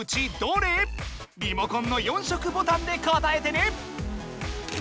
リモコンの４色ボタンで答えてね！